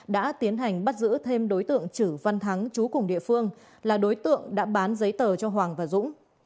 đã tiến hành bắt giữ thêm đối tượng chử văn thắng chú cùng địa phương là đối tượng đã bán giấy tờ cho hoàng và dũng